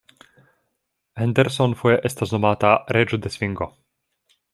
Henderson foje estas nomata „Reĝo de svingo“.